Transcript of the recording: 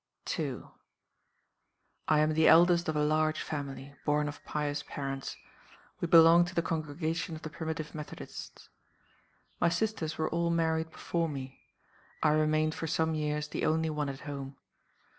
2. "I am the eldest of a large family, born of pious parents. We belonged to the congregation of the Primitive Methodists. "My sisters were all married before me. I remained for some years the only one at home.